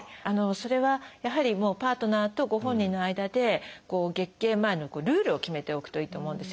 それはやはりパートナーとご本人の間で月経前のルールを決めておくといいと思うんですよね。